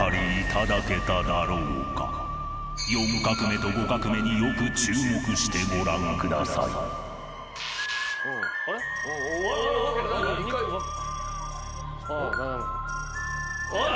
［４画目と５画目によく注目してご覧ください］えっ！？